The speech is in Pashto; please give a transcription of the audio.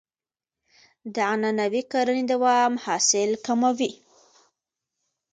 د عنعنوي کرنې دوام حاصل کموي.